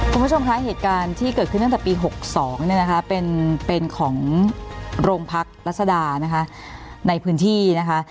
คุณผู้ชมคะเหตุการณ์ที่เกิดขึ้นตั้งแต่ปี๖๒เนี่ยนะคะเป็นของโรงพักรัศดานะคะในพื้นที่นะคะ